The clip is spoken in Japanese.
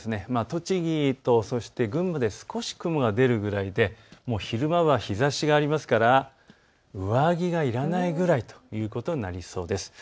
栃木と群馬で少し雲が出るくらいで昼間は日ざしがありますから上着がいらないくらいということになりそうです。